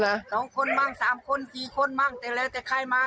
สองคนบ้างสามคนสี่คนบ้างแต่แล้วแต่ใครมา